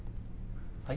はい？